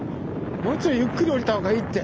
もうちょいゆっくり下りた方がいいって。